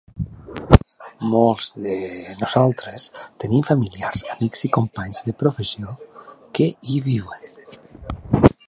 Molts de nosaltres tenim familiars, amics i companys de professió que hi viuen.